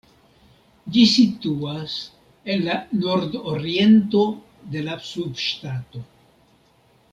Ĝi situas en la nordoriento de la subŝtato.